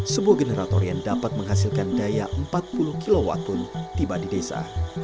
sebuah generator yang dapat menghasilkan daya empat puluh kw pun tiba di desa